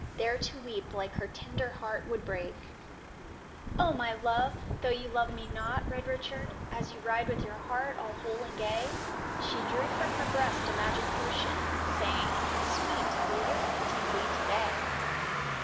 There to weep like her tender heart should break. 14 THE PHANTOM DEER ' O my love ! though you love me not, Red Richard, As you ride with your heart all whole and gay '— She drew from her breast a magic potion. Saying, ' Sweet will your hunting be to day.